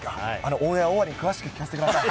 オンエア終わりに詳しく聞かせてください。